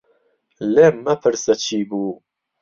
لێم مەپرسە چی بوو.